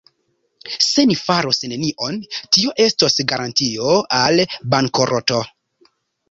Se ni faros nenion, tio estos garantio al bankroto.